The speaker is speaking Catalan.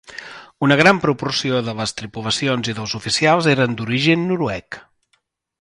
Una gran proporció de les tripulacions i dels oficials eren d'origen noruec.